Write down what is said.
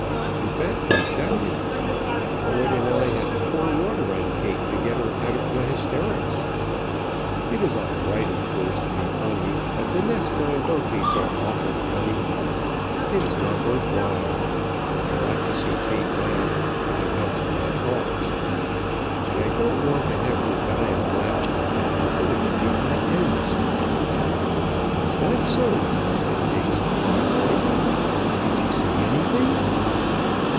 In fact, they shouted. The poet and I had to pour water on Kate to get her out of the hysterics. It is all right, of course, to be funny; but the next time don't be so awful funny. It is not worth while. I like to see Kate laugh, if it helps my cause; but I don't want to have her die of laughter. It would defeat my ends." "That is so," said Biggs, thoughtfully. "Did she say anything?"